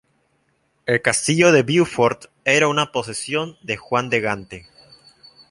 El Castillo de Beaufort era una posesión de Juan de Gante.